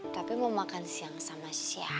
tapi mau makan siang aku mau makan siang